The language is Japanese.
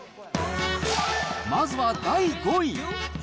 まずは第５位。